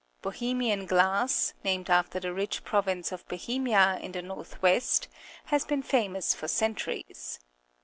Bohemian glass, named after the rich pro\dnce of Bohemia in the north west, has been famous for centuries.